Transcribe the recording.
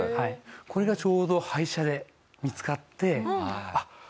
これがちょうど廃車で見つかってあっ